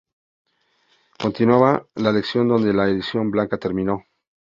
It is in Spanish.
Continuaba la colección donde la edición blanca terminó.